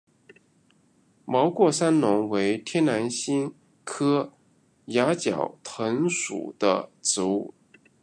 毛过山龙为天南星科崖角藤属的植物。